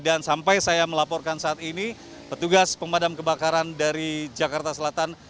dan sampai saya melaporkan saat ini petugas pemadam kebakaran dari jakarta selatan